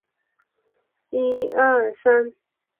它们也会将巢筑在地穴或白蚁丘中。